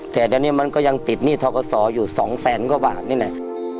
แต่เดี๋ยวนี้มันก็ยังติดหนี้ทกศอยู่๒แสนกว่าบาทนี่แหละ